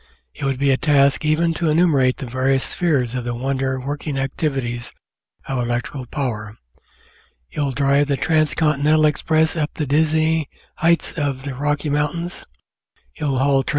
It would be a task even to enumerate the various spheres of the wonder working activities of electrical power. It will drive the transcontinental express up the dizzy heights of the Rocky Mountains ; it will haul THOMAS A.